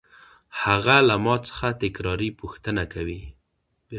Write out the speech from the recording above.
هغه له ما څخه تکراري پوښتنه کوي.